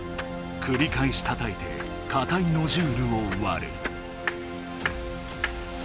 くりかえしたたいてかたいノジュールをわる。